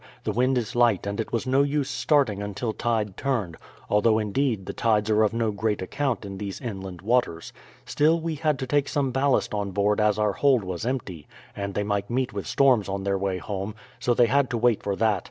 The wind is light and it was no use starting until tide turned; although, indeed, the tides are of no great account in these inland waters. Still, we had to take some ballast on board as our hold was empty, and they might meet with storms on their way home; so they had to wait for that.